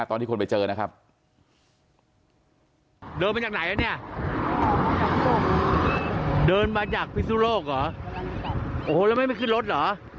โอ้โหแล้วไม่ขึ้นรถหรอ